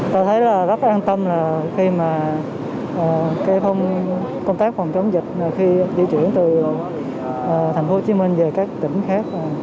tôi thấy rất an tâm khi công tác phòng chống dịch di chuyển từ tp hcm về các tỉnh khác